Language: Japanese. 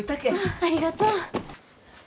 ありがとう。